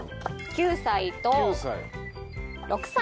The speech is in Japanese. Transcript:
９歳６歳。